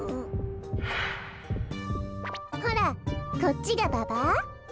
ほらこっちがババ？